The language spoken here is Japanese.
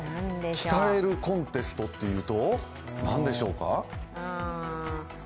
鍛えるコンテストっていうと何でしょうか。